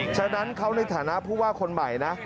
ฉะนั้นเขาในฐานะผู้ว่าคนใหม่นะ